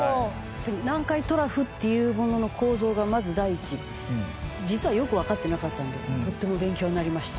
南海トラフっていうものの構造がまず第一実はよくわかってなかったんでとっても勉強になりました。